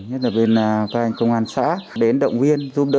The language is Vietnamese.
nhất là bên các anh công an xã đến động viên giúp đỡ